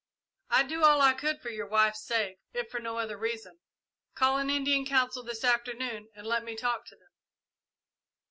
"I'd do all I could for your wife's sake, if for no other reason. Call an Indian council this afternoon and let me talk to them."